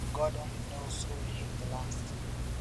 God only knows who will hit the last.